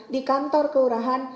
di kantor keurahan